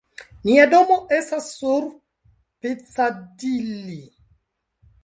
Nia domo estas sur Piccadilli.